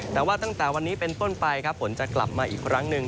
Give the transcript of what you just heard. แต่ว่าตั้งแต่วันนี้เป็นต้นไปครับฝนจะกลับมาอีกครั้งหนึ่ง